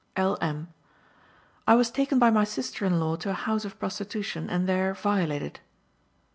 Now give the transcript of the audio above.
L. M.: "I was taken by my sister in law to a house of prostitution, and there violated."